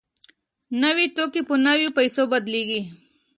نوي توکي په نویو پیسو بدلېږي